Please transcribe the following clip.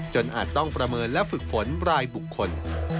อาจต้องประเมินและฝึกฝนรายบุคคล